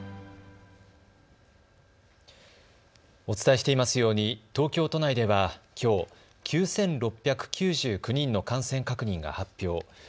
お伝えしていますように東京都内ではきょう９６９９人の感染確認が発表。